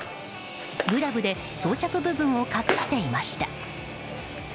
グラブで装着部分を隠していました。